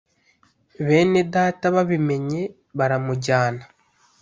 bene data babimenye baramujyana